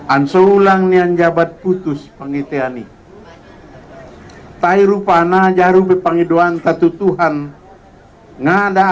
ansur ulangnya jabat putus pangitiani hai tairu panah jarum pangidoan satu tuhan ngadak